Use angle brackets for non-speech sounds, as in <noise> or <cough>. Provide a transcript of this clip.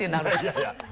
いやいや <laughs>